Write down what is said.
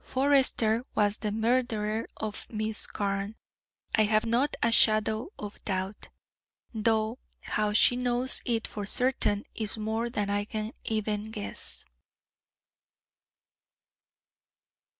Forester was the murderer of Miss Carne, I have not a shadow of doubt, though how she knows it for certain is more than I can even guess."